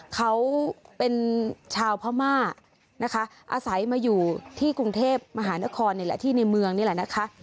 เขาเป็นชาวพม่านะคะอาศัยมาอยู่ที่กรุงเทพมหานครนี่แหละที่ในเมืองนี่แหละนะคะ